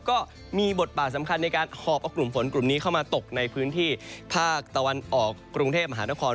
ก็มีบทบาทสำคัญในการหอบเอากลุ่มฝนกลุ่มนี้เข้ามาตกในพื้นที่ภาคตะวันออกกรุงเทพมหานคร